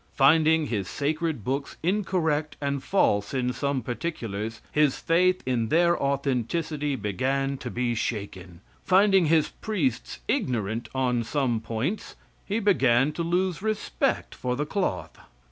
Finding his sacred books incorrect and false in some particulars, his faith in their authenticity began to be shaken; finding his priests ignorant on some points, he began to lose respect for the cloth.